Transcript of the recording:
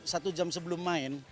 satu jam sebelum main